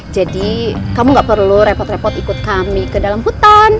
jadi kamu nggak perlu repot repot ikut kami ke dalam hutan